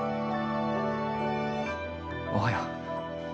おはよう。